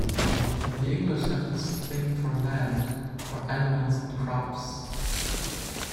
The English have this thing for land; for animals and crops...